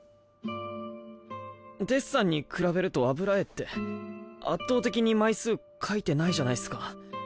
デッサンに比べると油絵って圧倒的に枚数描いてないじゃないっすか。